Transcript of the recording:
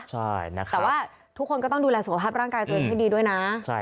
ใช่นะครับแต่ว่าทุกคนก็ต้องดูแลสุขภาพร่างกายตัวเองให้ดีด้วยนะ